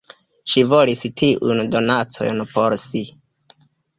Ŝi volis tiujn donacojn por si.